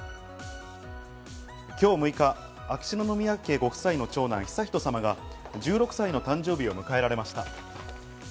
今日６日、秋篠宮家ご夫妻の長男・悠仁さまが１６歳の誕生日を迎えられました。